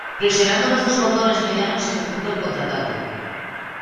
Presionando los dos botones medianos ejecuta el contraataque.